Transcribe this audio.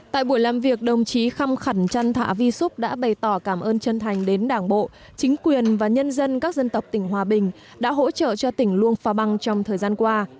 tại buổi làm việc đồng chí khăm khẩn trăn thạ vi xúc đã bày tỏ cảm ơn chân thành đến đảng bộ chính quyền và nhân dân các dân tộc tỉnh hòa bình đã hỗ trợ cho tỉnh luông pha băng trong thời gian qua